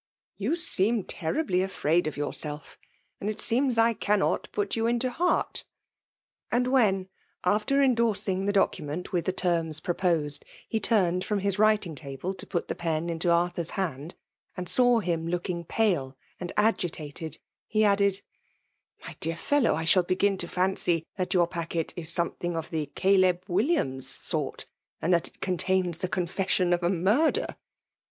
You seem* terribi j afraid dt yourself, — and it seems 1 cannot* put you iMo heart'' And vHkevt, after endorsing tlio document ivith the terms proposed, he turned dim his' writing table to put the pen into A¥tliur'8 haind, and saw him looking pale and dgttaied, he added, '■My dear fellow', I shall beigfft ta&ncy that your packet is something of the Caleb Williams sort, and that it oon* t*kis *t&e confession of a murder